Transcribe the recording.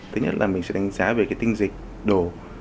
thứ nhất là mình sẽ đánh giá về cái tinh dịch đồ